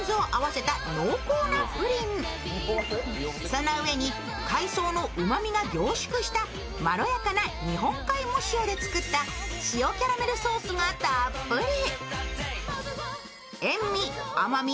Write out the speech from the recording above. そのうえに海草のうまみが凝縮したまろやかな日本海藻塩で作った塩キャラメルソースがたっぷり。